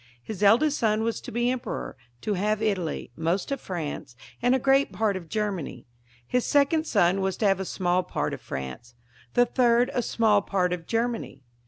His eldest son Was to be emperor, to have Italy, most of France, and a great part of Germany ; his second son was to have a small part of France ; the third a small part of Germany.